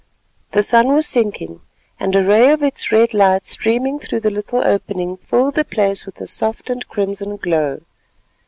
The sun was sinking and a ray of its red light streaming through the little opening filled the place with a soft and crimson glow.